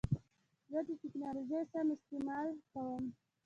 زه د ټکنالوژۍ سم استعمال کوم.